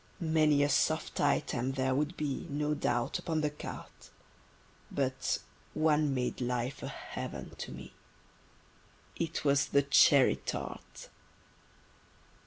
Many a soft item there would be, No doubt, upon the carte: But one made life a heaven to me: It was the cherry tart.